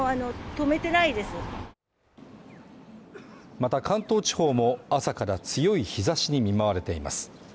また関東地方も朝から強い日差しに見舞われています。